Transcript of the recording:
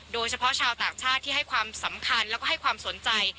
โดยเฉพาะชาวต่างชาติที่ให้ความสำคัญแล้วก็ให้ความสนใจ